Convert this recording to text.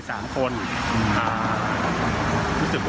รู้สึกว่าจะพักแถวโรงแรมวีมาแต่ที่ผมรู้ส่วนของผมก็คือว่า